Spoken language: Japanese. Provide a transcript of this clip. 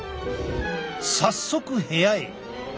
早速部屋へ。